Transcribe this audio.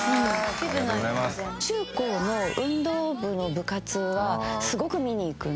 「中高の運動部の部活はすごく見に行くんです」